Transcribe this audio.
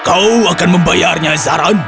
kau akan membayarnya zaran